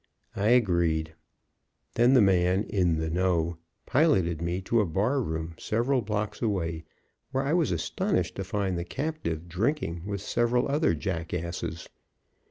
I agreed. Then the man "in the know" piloted me to a bar room several blocks away, where I was astonished to find the captive drinking with several other jackasses.